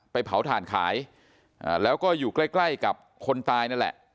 เผาถ่านขายแล้วก็อยู่ใกล้ใกล้กับคนตายนั่นแหละ